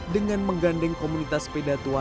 dengan menggandeng komunitas sepeda tua